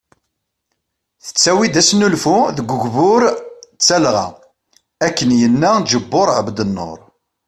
Tettawi-d asnulfu deg ugbur d talɣa ,akken yenna Ǧebur Ɛebdnur.